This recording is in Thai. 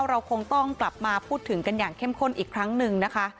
เราคงต้องกลับมาพูดถึงกันอย่างเข้มข้นอีกครั้งหนึ่งนะคะ